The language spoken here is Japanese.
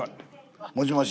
もしもし。